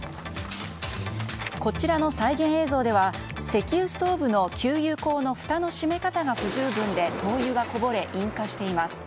こちらの再現映像では石油ストーブの給油口のふたの閉め方が不十分で灯油がこぼれ、引火しています。